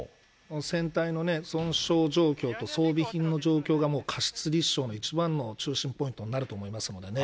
船体の損傷状況と装備品の状況がもう過失立証の一番の中心ポイントになると思いますのでね。